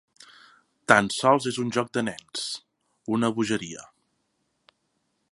Tan sols és un joc de nens: una bogeria.